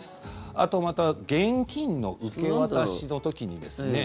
あと、また現金の受け渡しの時にですね